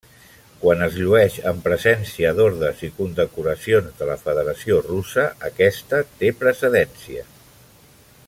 Quan es llueix en presència d'ordes i condecoracions de la Federació Russa, aquesta té precedència.